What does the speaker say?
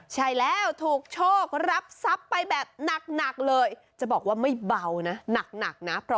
ใช่แล้วถูกโชครับทรัพย์ไปแบบหนักเลยจะบอกว่าไม่เบานะหนักนะ